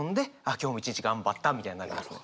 今日も一日頑張ったみたいになりますね。